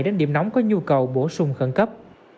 đến điểm nóng có nhu cầu bổ sung khẩn cấp